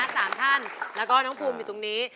สามท่านแล้วก็น้องภูมิอยู่ตรงนี้